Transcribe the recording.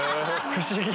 不思議！